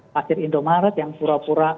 akhir indomaret yang pura pura